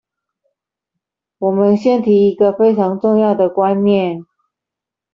我們先提一個非常重要的觀念